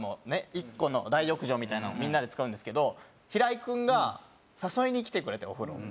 １個の大浴場みたいなのをみんなで使うんですけど平井君が誘いに来てくれてお風呂。